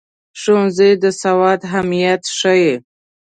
ښوونځی د سواد اهمیت ښيي.